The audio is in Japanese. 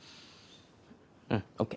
うんＯＫ。